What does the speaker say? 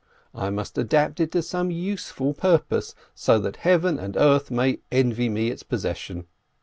I must adapt it to some useful purpose, so that Heaven and earth may envy me its possession